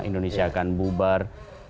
indonesia akan bubar